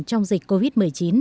trong dịch covid một mươi chín